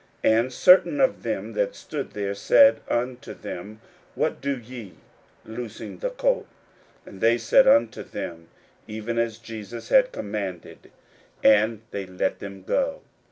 41:011:005 And certain of them that stood there said unto them, What do ye, loosing the colt? 41:011:006 And they said unto them even as Jesus had commanded: and they let them go.